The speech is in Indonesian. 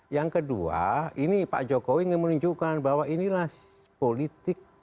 yang kedua ini pak jokowi ingin menunjukkan bahwa inilah politik